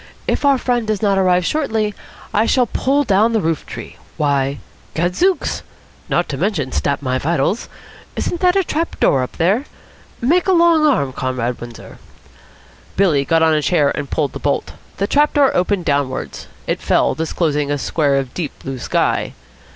If our friend does not arrive shortly, I shall pull down the roof. Why, gadzooks! Not to mention stap my vitals! Isn't that a trap door up there? Make a long arm, Comrade Windsor." Billy got on a chair and pulled the bolt. The trap door opened downwards. It fell, disclosing a square of deep blue sky.